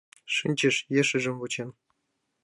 Шинчыш, ешыжым вучен.